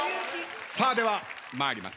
さあでは参ります。